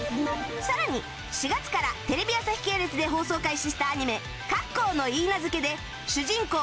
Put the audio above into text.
さらに４月からテレビ朝日系列で放送開始したアニメ『カッコウの許嫁』で主人公